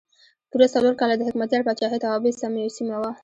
پوره څلور کاله د حکمتیار پاچاهۍ توابع سیمه وه.